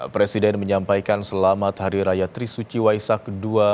presiden menyampaikan selamat hari raya trisuci waisak dua ribu lima ratus enam puluh delapan